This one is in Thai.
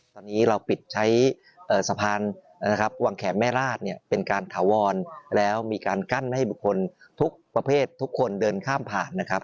ตอนนี้เราปิดใช้สะพานนะครับวังแขนแม่ราชเนี่ยเป็นการถาวรแล้วมีการกั้นให้บุคคลทุกประเภททุกคนเดินข้ามผ่านนะครับ